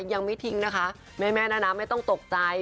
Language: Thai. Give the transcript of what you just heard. ยังไม่ทิ้งนะคะแม่นะไม่ต้องตกใจ